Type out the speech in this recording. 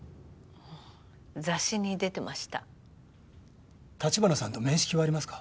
雑誌に出てました橘さんと面識はありますか？